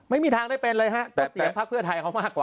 ไม่มีทางได้เป็นเลยฮะก็เสียงพักเพื่อไทยเขามากกว่า